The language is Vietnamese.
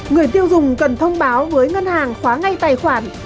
người tiêu dùng cần thông báo với ngân hàng khóa ngay tài khoản